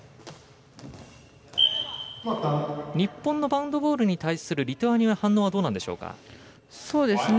日本のバウンドボールに対するリトアニアの反応はどうなんでしょうか。